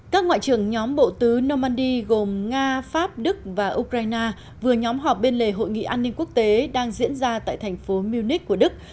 các ngoại trưởng nhóm bộ tứ normandy gồm nga pháp đức và ukraine vừa nhóm họp bên lề hội nghị an ninh quốc tế đang diễn ra tại thành phố munich của đức